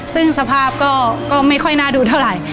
ซึ่งสภาพก็ไม่ค่อยน่าดูเท่าไหร่